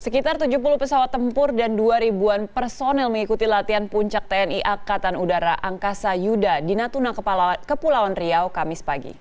sekitar tujuh puluh pesawat tempur dan dua ribuan personel mengikuti latihan puncak tni angkatan udara angkasa yuda di natuna kepulauan riau kamis pagi